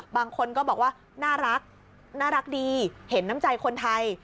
บางคนก็บอกว่าน่ารักน่ารักดีเห็นน้ำใจคนไทย